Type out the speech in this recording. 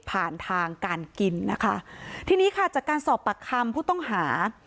ผ่านทางการกินนะคะทีนี้ค่ะจากการสอบปากคำผู้ต้องหา